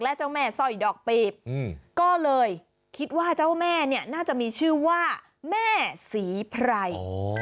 และเจ้าแม่สร้อยดอกปีบก็เลยคิดว่าเจ้าแม่เนี่ยน่าจะมีชื่อว่าแม่ศรีไพร